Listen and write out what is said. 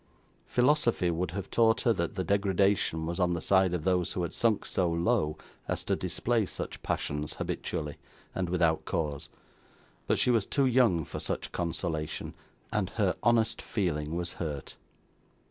Philosophy would have taught her that the degradation was on the side of those who had sunk so low as to display such passions habitually, and without cause: but she was too young for such consolation, and her honest feeling was hurt.